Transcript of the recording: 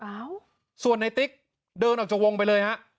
อ้าวส่วนในติ๊กเดินออกจากวงไปเลยฮะ